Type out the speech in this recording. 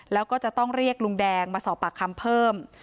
แล้วก็จะต้องเรียกลุงแดงมาสอบปากคำเพิ่ม